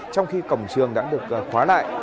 trong khi cổng trường đã được khóa lại